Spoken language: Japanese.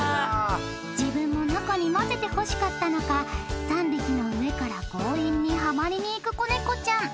自分も中にまぜてほしかったのか３匹の上から強引にハマりにいく子猫ちゃん